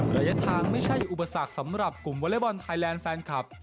ระยะทางไม่ใช่อุปสรรคสำหรับกลุ่มวอเล็กบอลไทยแลนด์แฟนคลับ